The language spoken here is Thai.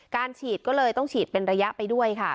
การฉีดต้องเป็นระยะ